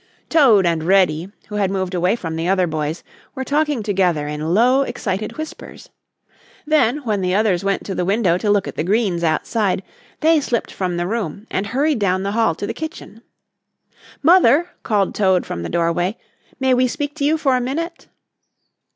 Toad and Reddy, who had moved away from the other boys, were talking together in low, excited whispers. Then, when the others went to the window to look at the green outside, they slipped from the room and hurried down the hall to the kitchen. "Mother," called Toad from the doorway, "may we speak to you for a minute?"